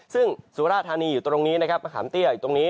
ซึ่งสุราธานีอยู่ตรงนี้นะครับมะขามเตี้ยอยู่ตรงนี้